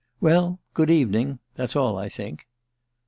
Well, good evening: that's all, I think."